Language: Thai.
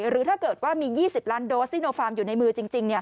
หรือถ้าเกิดว่ามี๒๐ล้านโดสซิโนฟาร์มอยู่ในมือจริง